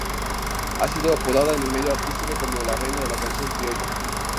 Ha sido apodada en el medio artístico como "La Reina de la Canción Criolla".